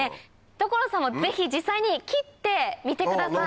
所さんもぜひ実際に切ってみてください。